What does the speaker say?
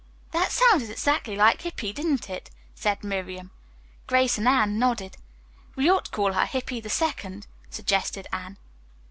"That sounded exactly like Hippy, didn't it?" said Miriam. Grace and Anne nodded. "We ought to call her Hippy the Second," suggested Anne.